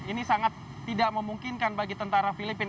ini sangat tidak memungkinkan bagi tentara filipina